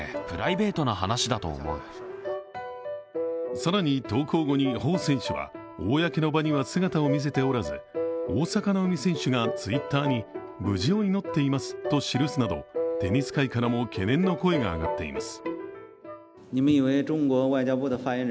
更に、投稿後に彭選手は公の場には姿を見せておらず大坂なおみ選手がＴｗｉｔｔｅｒに無事を祈っていますと記すなどテニス界からも懸念の声が上がっています。